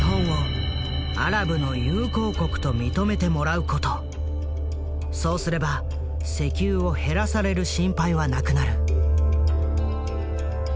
日本をそうすれば石油を減らされる心配はなくなる。